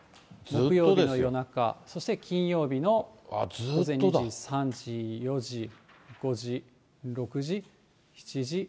木曜日の夜中、そして金曜日の２時、３時、４時、５時、６時、７時、８時、９時。